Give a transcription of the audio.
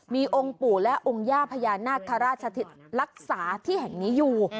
มีองค์ปู่และองค์ย่าพญานาคาราชรักษาที่แห่งนี้อยู่